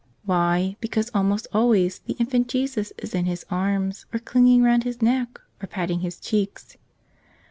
Why, because almost always the Infant Jesus is in his arms, or clinging round his neck, or patting his cheeks.